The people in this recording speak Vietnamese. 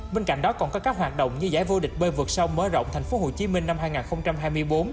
bên cạnh đó còn có các hoạt động như giải vô địch bơi vượt sông mở rộng thành phố hồ chí minh năm hai nghìn hai mươi bốn